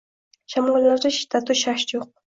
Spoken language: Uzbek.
Shamollarda shiddatu shasht yo‘q —